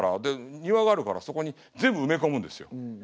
で庭があるからそこに全部埋め込むんですよ。